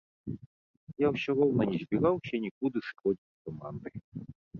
Я ўсё роўна не збіраўся нікуды сыходзіць з каманды.